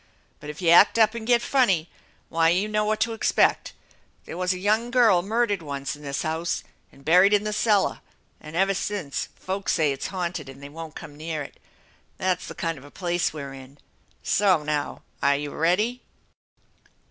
But if you act up and get funny, why you know what to expect. There was a young girl murdered once in this house and buried in the cellar and ever since folks say if a hanted and they won't come near it. That's the kind of a place we're in ! So, now are you ready